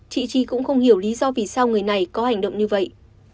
chị chi cũng không hiểu lý do vì sao người này có hành động như vậy